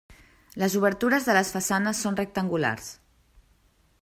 Les obertures de les façanes són rectangulars.